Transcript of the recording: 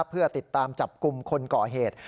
เพื่อติดตามจับกลุ่มคนก่อเหตุ